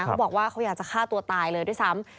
เขาบอกว่าเขาอยากจะฆ่าตัวตายเลยด้วยซ้ำ